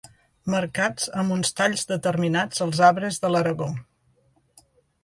Marcats amb uns talls determinats als arbres de l'Aragó.